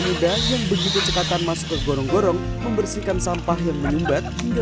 muda yang begitu cekatan masuk ke gorong gorong membersihkan sampah yang menyumbat hingga